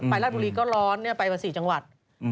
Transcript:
ไปณดูลีก็ร้อนเนี่ยไปสี่จังหวัด